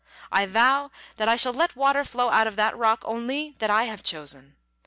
I vow that I shall let water flow out of that rock only that I have chosen."